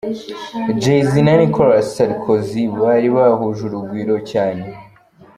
JayZ na Nicolas Sarkozy bari bahuje urugwiro cyane.